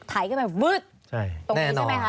ใช่แน่นอนแน่นอน